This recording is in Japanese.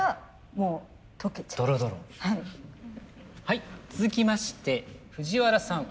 はい続きまして藤原さん